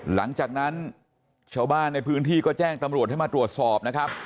หลังจากนั้นชาวบ้านในพื้นที่ก็แจ้งตำรวจให้มาตรวจสอบนะครับ